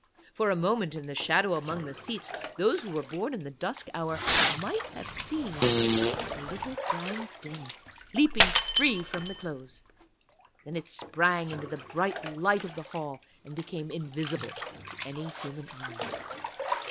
For a moment, in the shadow among the seats, those who were born in the dusk hour might have seen a little brown thing leaping free from the clothes, then it sprang into the bright light of the hall, and became invisible to any human eye.